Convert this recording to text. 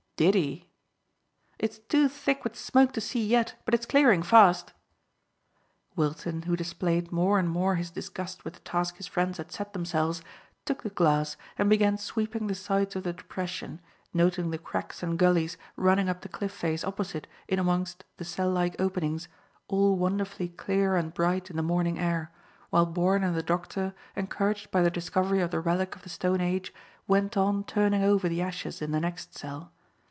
"Did he?" "It's too thick with smoke to see yet, but it's clearing fast." Wilton, who displayed more and more his disgust with the task his friends had set themselves, took the glass and began sweeping the sides of the depression, noting the cracks and gullies running up the cliff face opposite in amongst the cell like openings, all wonderfully clear and bright in the morning air, while Bourne and the doctor, encouraged by the discovery of the relic of the stone age, went on turning over the ashes in the next cell.